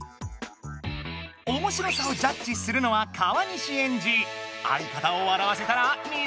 おもしろさをジャッジするのは川西エンジ。